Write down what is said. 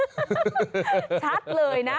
ชัดเลยนะ